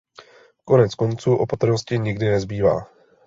Konec konců opatrnosti nikdy nezbývá.